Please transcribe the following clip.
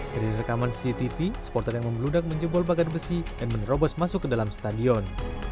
dari rekaman cctv supporter yang membeludak menjebol bagan besi dan menerobos masuk ke dalam stadion